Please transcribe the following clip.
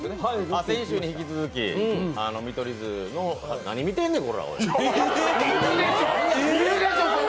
先週に引き続き、見取り図の何見とんねん。